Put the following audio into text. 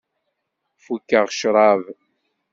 Ifukk-aɣ ccrab.